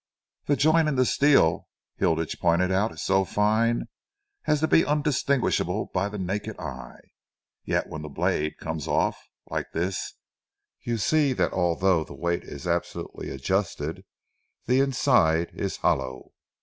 "The join in the steel," Hilditch pointed out, "is so fine as to be undistinguishable by the naked eye. Yet when the blade comes off, like this, you see that although the weight is absolutely adjusted, the inside is hollow.